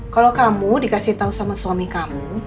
kalau kamu dikasih tahu sama suami kamu